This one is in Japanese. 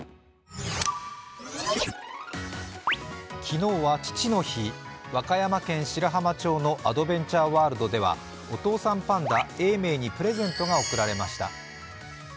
昨日は父の日、和歌山県白浜町のアドベンチャーワールドではお父さんパンダ・永明にプレゼントが贈られました。